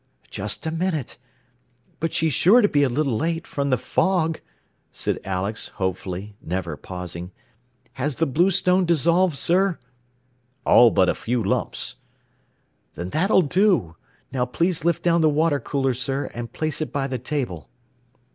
"Just a minute. But she's sure to be a little late, from the fog," said Alex, hopefully, never pausing. "Has the bluestone dissolved, sir?" "All but a few lumps." "Then that'll do. Now please lift down the water cooler, sir, and place it by the table."